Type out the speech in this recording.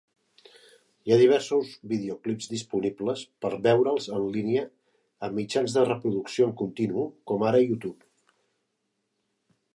Hi ha diversos videoclips disponibles per veure'ls en línia amb mitjans de reproducció en continu, com ara YouTube.